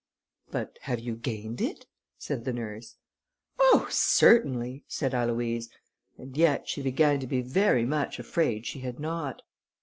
"But have you gained it?" said the nurse. "Oh! certainly," said Aloïse, and yet she began to be very much afraid she had not.